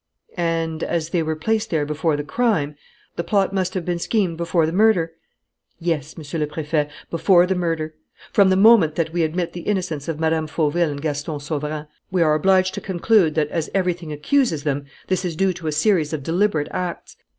"And, as they were placed there before the crime, the plot must have been schemed before the murder?" "Yes, Monsieur le Préfet, before the murder. From the moment that we admit the innocence of Mme. Fauville and Gaston Sauverand, we are obliged to conclude that, as everything accuses them, this is due to a series of deliberate acts.